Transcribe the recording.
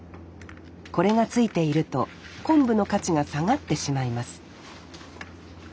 これがついていると昆布の価値が下がってしまいます